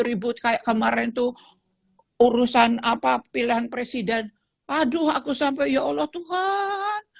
ribut kayak kemarin tuh urusan apa pilihan presiden aduh aku sampai ya allah tuhan